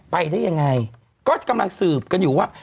ไปได้ยังไงก็กำลังสืบกันอยู่ว่า